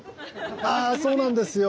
あそうなんですよ。